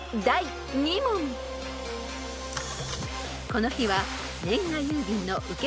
［この日は］